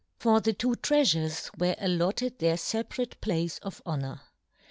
To the two treafures were allotted their feparate place of honour.